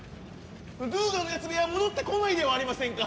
ドゥーガのやつめは戻ってこないではありませんか！